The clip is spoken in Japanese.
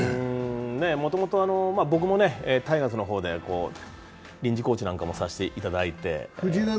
もともと僕もタイガースの方で臨時コーチなんかもさせていただいて。